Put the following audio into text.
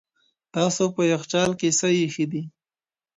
تاسو په یخچال کې څه اېښي دي؟